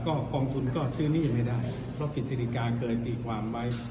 ก็กองทุนก็ซื้อหนี้ไม่ได้เพราะกิจสิริกาเคยตีความไว้